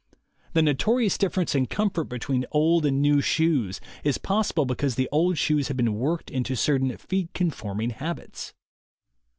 The notorious difference in comfort between old and new shoes is possible because the old shoes have been worked into certain feet conforming habits.